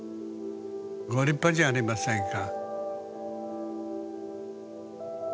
ご立派じゃありませんか。